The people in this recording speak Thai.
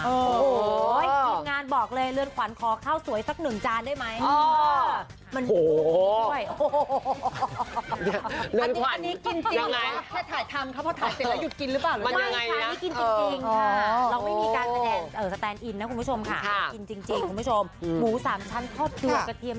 โอ้โหทีมงานบอกเลยเรือนขวัญขอข้าวสวยสักหนึ่งจานได้ไหม